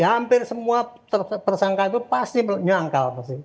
hampir semua tersangka itu pasti menyangkal pasti